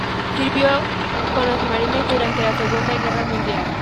Sirvió con los Marines durante la Segunda Guerra Mundial.